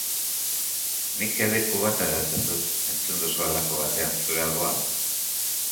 Nik ere kubata edaten dut entzun duzu halako batean zure alboan.